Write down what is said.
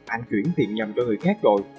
anh chuyển tiền nhầm cho người khác rồi